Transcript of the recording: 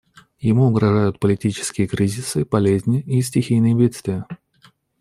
Ему угрожают политические кризисы, болезни и стихийные бедствия.